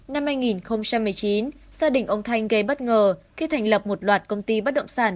năm hai nghìn một mươi chín gia đình ông thanh gây bất ngờ khi thành lập một loạt công ty bất động sản